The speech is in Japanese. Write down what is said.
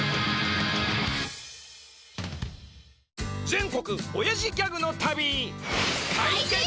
全国おやじギャグの旅！